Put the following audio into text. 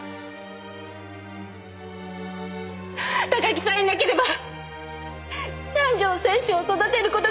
高木さえいなければ南条選手を育てる事が出来たのに！